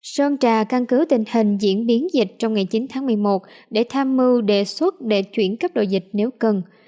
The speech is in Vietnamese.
sơn trà căn cứ tình hình diễn biến dịch trong ngày chín tháng một mươi một để tham mưu đề xuất để chuyển cấp độ dịch nếu cần